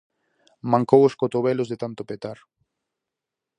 Mancou os cotobelos de tanto petar.